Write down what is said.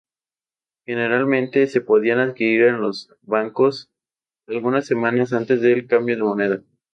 Generalmente se podían adquirir en los bancos algunas semanas antes del cambio de moneda.